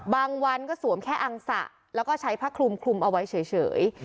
วันก็สวมแค่อังสะแล้วก็ใช้ผ้าคลุมคลุมเอาไว้เฉย